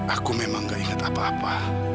aku memang gak ingat apa apa